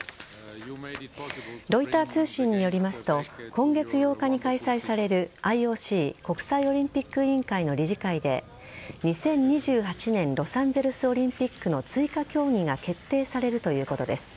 ロイター通信によりますと今月８日に開催されるＩＯＣ＝国際オリンピック委員会の理事会で２０２８年ロサンゼルスオリンピックの追加競技が決定されるということです。